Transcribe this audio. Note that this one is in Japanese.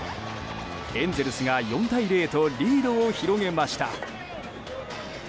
エンゼルスが４対０とリードを広げました。